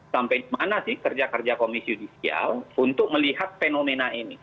sampai mana sih kerja kerja komisi yudisial untuk melihat fenomena ini